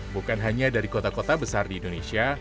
bukan hanya dari kota kota besar di indonesia